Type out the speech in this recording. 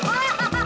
tidak tidak tidak